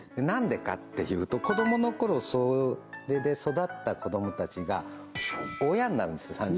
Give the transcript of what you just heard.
何でかっていうと子どものころそれで育った子どもたちが親になるんですよ